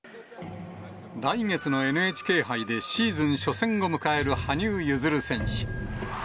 来月のＮＨＫ杯でシーズン初戦を迎える羽生結弦選手。